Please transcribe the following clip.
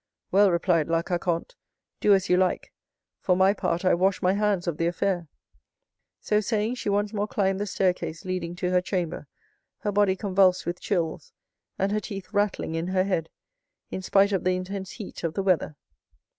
"Well," replied La Carconte, "do as you like. For my part, I wash my hands of the affair." So saying, she once more climbed the staircase leading to her chamber, her body convulsed with chills, and her teeth rattling in her head, in spite of the intense heat of the weather.